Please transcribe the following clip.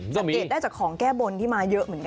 สังเกตได้จากของแก้บนที่มาเยอะเหมือนกัน